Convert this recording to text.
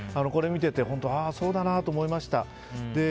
これを見ててああ、そうだなと思いました。